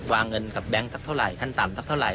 วางเงินกับแบงค์สักเท่าไหร่ขั้นต่ำสักเท่าไห